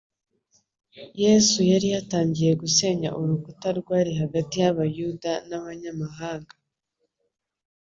Yesu yari yatangiye gusenya urukuta rwari hagati y'Abayuda n'abanyamahanga;